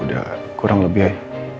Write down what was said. udah kurang lebih